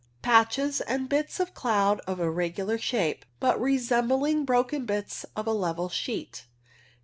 Patches and bits of cloud of irregular shape, but resembling broken bits of a level sheet.